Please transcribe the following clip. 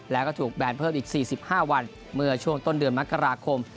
แล้วก็ถูกแบนเพิ่มอีก๔๕วันเมื่อช่วงต้นเดือนมกราคม